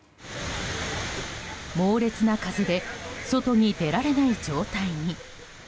猛烈な風で外に出られない状態に。